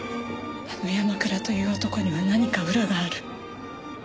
あの山倉という男には何か裏がある。